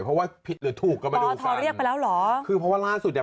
เพราะว่าผิดหรือถูกก็ไม่รู้พอเรียกไปแล้วเหรอคือเพราะว่าล่าสุดเนี่ย